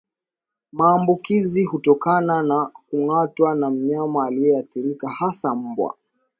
Maambukizi hutokana na kung'atwa na mnyama aliyeathirika hasa mbwa